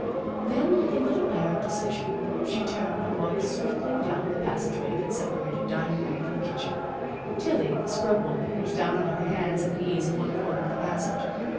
Then, with a little air of decision, she turned and walked swiftly down the passageway that separated dining room from kitchen. Tillie, the scrub woman, was down on her hands and knees in one corner of the passage.